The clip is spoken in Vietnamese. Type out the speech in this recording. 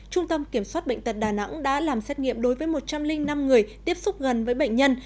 trung tâm kiểm soát bệnh tật đà nẵng đã làm xét nghiệm đối với một trăm linh năm người tiếp xúc gần với bệnh nhân